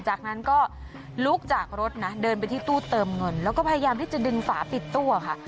จากนั้นก็ลุกจากรถนะเดินไปที่ตู้เติมเงินแล้วก็พยายามที่จะดึงฝาปิดตู้ค่ะ